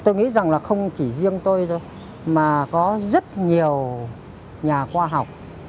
tôi nghĩ rằng là không chỉ riêng tôi thôi mà có rất nhiều nhà khoa học